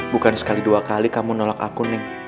bukan sekali dua kali kamu nolak aku nih